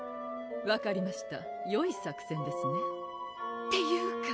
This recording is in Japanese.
分かりましたよい作戦ですねっていうか